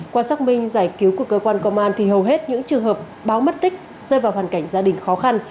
qua xác minh giải cứu của cơ quan công an thì hầu hết những trường hợp báo mất tích rơi vào hoàn cảnh gia đình khó khăn